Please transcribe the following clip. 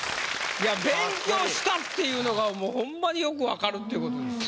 いや勉強したっていうのがもうほんまによくわかるっていう事ですよ。